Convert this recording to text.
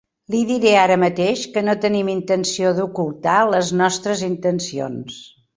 Li diré ara mateix que no tenim intenció d'ocultar les nostres intencions.